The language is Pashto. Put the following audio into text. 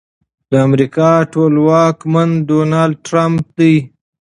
د امريکا ټولواکمن ډونالډ ټرمپ دی.